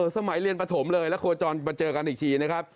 สมัยเรียนปฐมเลยแล้วโคจรมาเจอกันอีกทีนะครับ